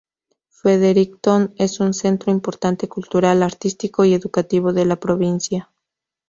Fredericton es un centro importante cultural, artístico y educativo de la provincia.